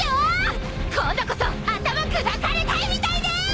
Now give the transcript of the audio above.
今度こそ頭砕かれたいみたいね！